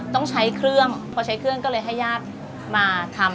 ต้องใช้เครื่องพอใช้เครื่องก็เลยให้ญาติมาทำ